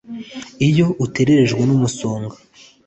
iyo uteterejwe n'umusonga